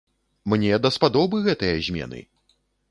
Мне даспадобы гэтыя змены!